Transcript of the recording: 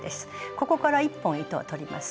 ここから１本糸を取ります。